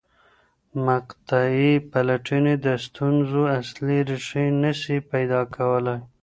مقطعي پلټني د ستونزو اصلي ریښې نه سي پیدا کولای.